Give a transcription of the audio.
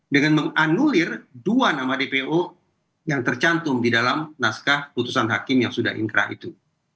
dengan menganulir dua nama dpo yang tercantum di dalam naskah putusan hakim yang sudah inkrah itu